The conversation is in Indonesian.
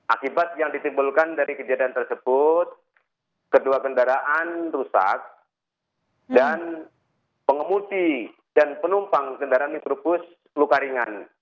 akibat yang ditimbulkan dari kejadian tersebut kedua kendaraan rusak dan pengemudi dan penumpang kendaraan mikrobus luka ringan